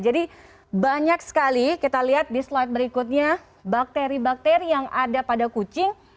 jadi banyak sekali kita lihat di slide berikutnya bakteri bakteri yang ada pada kucing